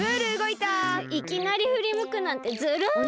いきなりふりむくなんてずるい！